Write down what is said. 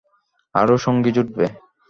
আরো সঙ্গী জুটবে।